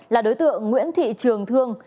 là đối tượng nguyễn thị trường thương